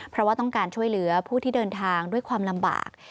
เพราะว่าต้องการช่วยเหลือผู้ที่เดินทางด้วยความลำบาก